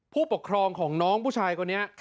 ผู้ปกครองของน้องผู้ชายคนนี้